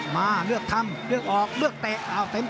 มาเลือกทำเลือกออกเลือกเตะเอาเต็ม